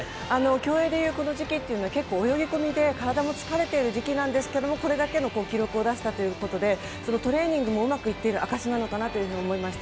競泳で言うこの時期というのは結構泳ぎ込みで体も疲れている時期なんですけれども、これだけの記録を出したということで、トレーニングもうまくいっている証しなのかなというふうに思いました。